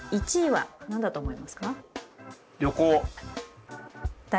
１位は何だと思いますか？